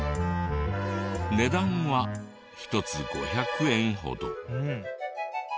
値段は１つ５００円ほど。